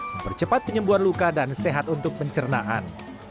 mempercepat penyembuhan luka dan sehat untuk pencernaan